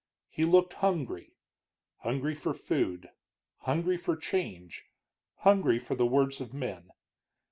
He looked hungry hungry for food, hungry for change, hungry for the words of men.